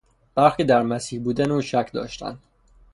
برخی در مسیح بودن او شک داشتند.